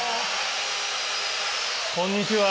こんにちは。